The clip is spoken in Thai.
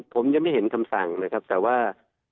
ผมยังไม่เห็นคำสั่งนะครับแต่ว่า